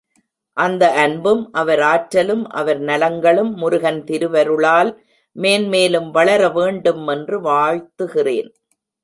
அந்த அன்பும் அவர் ஆற்றலும் அவர் நலங்களும் முருகன் திருவருளால் மேன்மேலும் வளர வேண்டும் என்று வாழ்த்துகிறேன்.